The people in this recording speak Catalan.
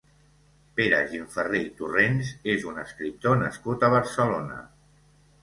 Pere Gimferrer i Torrens és un escriptor nascut a Barcelona.